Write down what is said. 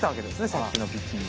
さっきのピッチングに。